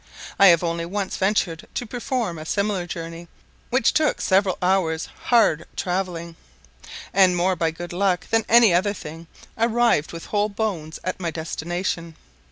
I have only once ventured to perform a similar journey, which took several hours hard travelling, and, more by good luck than any other thing, arrived with whole bones at my destination.